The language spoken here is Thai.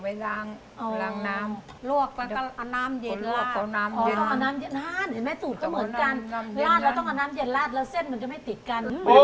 นาดเราต้องกันนาดเย็นนาดราดแล้วเส้นมันก็ไม่ติดกัน